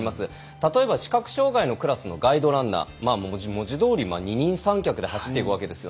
例えば視覚障がいのクラスのガイドランナー、文字どおり二人三脚で走っていくわけです。